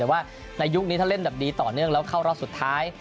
แต่ว่าในยุคนี้ถ้าเล่นแบบดีต่อเนื่องแล้วเข้ารอบสุดท้าย